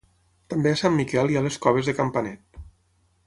També a Sant Miquel hi ha les Coves de Campanet.